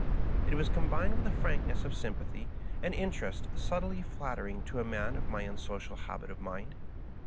It Was combined with a frankness of sympathy and interest subtly flattering to a man of my unsocial habit of mind.